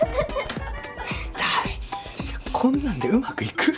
こんなんでうまくいく？